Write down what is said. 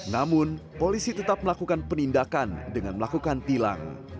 namun polisi tetap melakukan penindakan dengan melakukan tilang